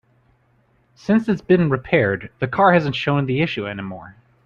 Since it's been repaired, the car hasn't shown the issue any more.